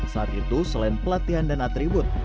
saat itu selain pelatihan dan atribut